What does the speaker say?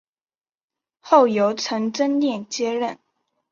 后由陈增稔接任。